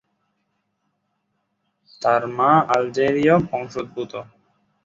তার মা আলজেরীয় বংশোদ্ভূত।